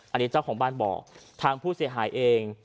อันนี้เจ้าของบ้านบอกทางผู้เสียหายเอง